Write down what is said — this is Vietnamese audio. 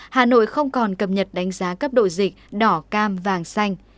hà nội không còn cập nhật đánh giá cấp độ dịch đỏ cam vàng xanh